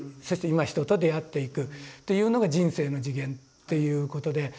そして今人と出会っていくっていうのが人生の次元っていうことで。